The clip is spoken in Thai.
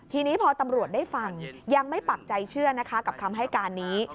ทีนี้พอตำรวจได้ฟังยังไม่ปักใจเชื่อนะคะกับคำให้การนี้